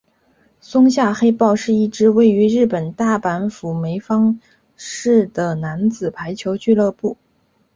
松下黑豹是一支位于日本大阪府枚方市的男子排球俱乐部。